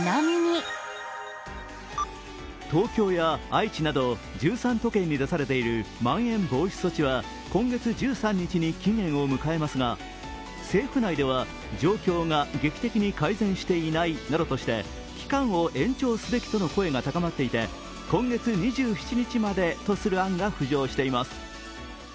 東京や愛知など、１３都県に出されているまん延防止措置は今月１３日に期限を迎えますが政府内では状況が劇的に改善していないなどとして期間を延長すべきとの声が高まっていて、今月２７日までとする案が浮上しています。